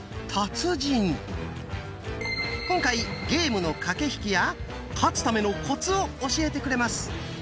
今回ゲームの駆け引きや勝つためのコツを教えてくれます。